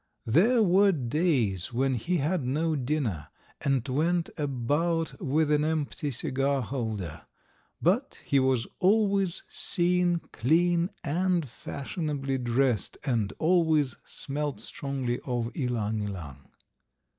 There were days when he had no dinner, and went about with an empty cigar holder, but he was always seen clean and fashionably dressed, and always smelt strongly of ylang ylang.